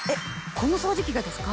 この掃除機がですか？